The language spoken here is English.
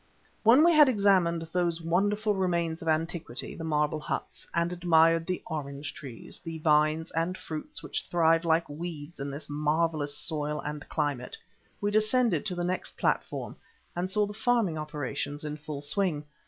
When we had examined those wonderful remains of antiquity, the marble huts, and admired the orange trees, the vines and fruits which thrive like weeds in this marvellous soil and climate, we descended to the next platform, and saw the farming operations in full swing.